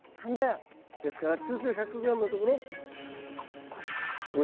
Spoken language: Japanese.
ですから通常１００ｇのところ５０。